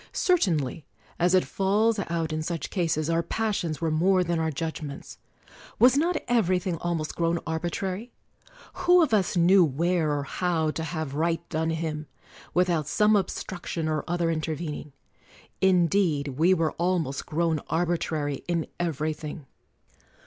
Certainly, as it falls out in such cases, our pas sions were more than our judgments. Was not everything almost grown arbitrary? Who of us knew where or how to have right done him, with out some obstruction or other intervening? In deed we were almost grown arbitrary in every thing.